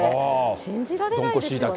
信じられないですよね。